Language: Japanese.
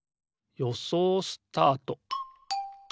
よそうスタート！